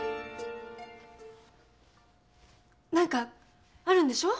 なんかあるんでしょう？